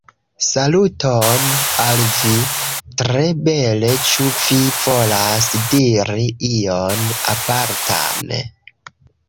Saluton al vi! tre bele ĉu vi volas diri ion apartan?